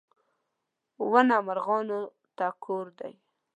• ونه مرغانو ته کور دی.